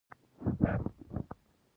زړه باید د استرس له زیاتوالي وساتل شي.